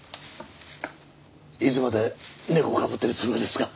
いつまで猫をかぶっているつもりですか？